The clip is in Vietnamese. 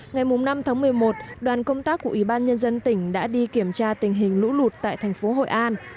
ngày năm tháng một mươi một đoàn công tác của ủy ban nhân dân tỉnh đã đi kiểm tra tình hình lũ lụt tại thành phố hội an